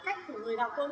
chị có nhớ trang nào không